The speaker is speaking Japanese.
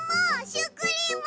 シュークリーム！